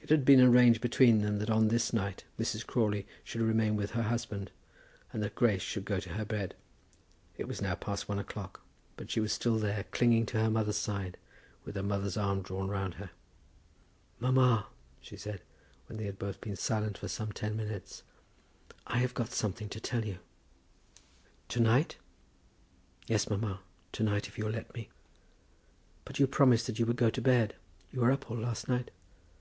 It had been arranged between them that on this night Mrs. Crawley should remain with her husband, and that Grace should go to her bed. It was now past one o'clock, but she was still there, clinging to her mother's side, with her mother's arm drawn round her. "Mamma," she said, when they had both been silent for some ten minutes, "I have got something to tell you." [Illustration: "Mamma, I've got something to tell you."] "To night?" "Yes, mamma; to night, if you will let me." "But you promised that you would go to bed. You were up all last night."